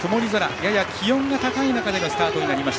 やや気温が高い中でのスタートです。